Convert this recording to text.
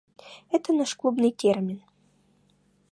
Это наш клубный термин.